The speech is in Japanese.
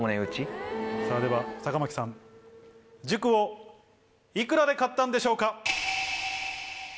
さぁでは酒巻さん塾をいくらで買ったんでしょうか？